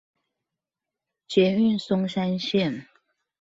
捷運松山線